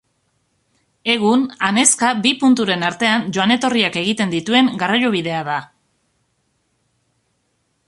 Egun, anezka bi punturen artean joan-etorriak egiten dituen garraiobidea da.